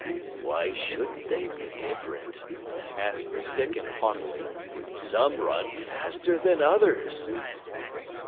"Why shouldn't they be different?" asked Sticken haughtily. "Some run faster than others!"